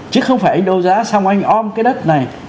chứ không phải anh đấu giá xong anh ôm cái đất này